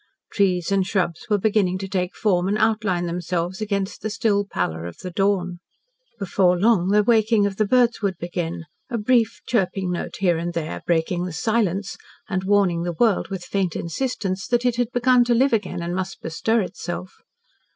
Trees and shrubs were beginning to take form and outline themselves against the still pallor of the dawn. Before long the waking of the birds would begin a brief chirping note here and there breaking the silence and warning the world with faint insistence that it had begun to live again and must bestir itself.